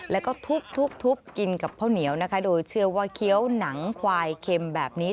แล้วก็ทุบกินกับข้าวเหนียวนะคะโดยเชื่อว่าเคี้ยวหนังควายเค็มแบบนี้